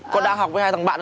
con đang học với hai thằng bạn